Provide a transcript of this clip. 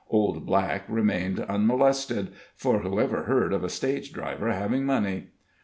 Old Black remained unmolested, for who ever heard of a stage driver having money?